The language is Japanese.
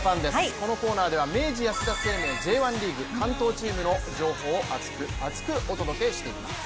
このコーナーでは明治安田生命Ｊ１リーグ、関東チームの情報を熱く厚くお届けしていきます。